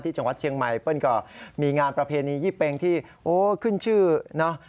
จังหวัดเชียงใหม่เปิ้ลก็มีงานประเพณียี่เป็งที่โอ้ขึ้นชื่อเนอะ